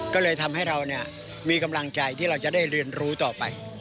ก็เลยทำให้เรามีกำลังใจที่เราจะได้เรียนรู้ต่อไป